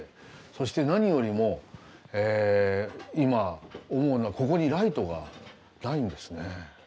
そして何よりも今思うのはここにライトがないんですね。